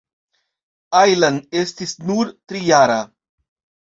Ajlan estis nur trijara.